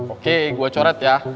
oke gua coret ya